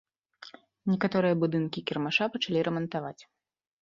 Некаторыя будынкі кірмаша пачалі рамантаваць.